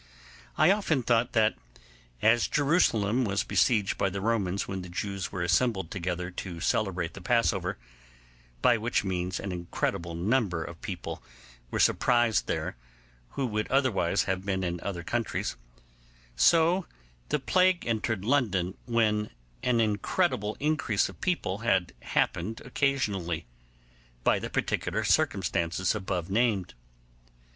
I often thought that as Jerusalem was besieged by the Romans when the Jews were assembled together to celebrate the Passover—by which means an incredible number of people were surprised there who would otherwise have been in other countries—so the plague entered London when an incredible increase of people had happened occasionally, by the particular circumstances above named.